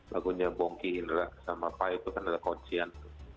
lagunya bongki indra sama pai itu kan ada kuncian